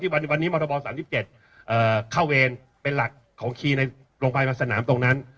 ที่วันนี้มธบอลสามสิบเจ็ดเอ่อเข้าเวรเป็นหลักของคีย์ในโรงพยาบาลสนามตรงนั้น